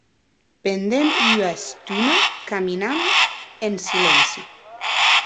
Pendent ua estona caminam en silenci.